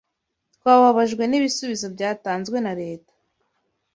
Twababajwe n'ibisubizo byatanzwe na Leta